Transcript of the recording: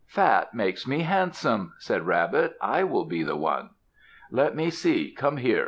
"Fat makes me handsome," said Rabbit "I will be the one." "Let me see! Come here!"